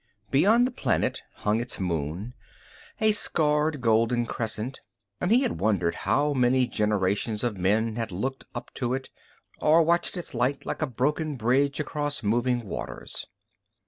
Beyond the planet hung its moon, a scarred golden crescent, and he had wondered how many generations of men had looked up to it, or watched its light like a broken bridge across moving waters.